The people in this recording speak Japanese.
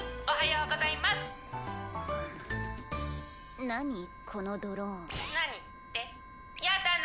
おはようん？